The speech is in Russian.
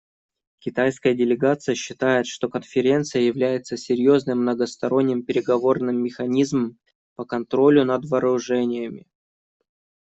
Китайская делегация считает, что Конференция является серьезным многосторонним переговорным механизмом по контролю над вооружениями.